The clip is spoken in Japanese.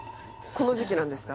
この時期なんですか？